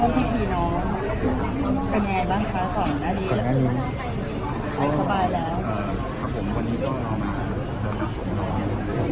พี่ล็อทคะวันนี้ตอนมาร่วมพี่น้อง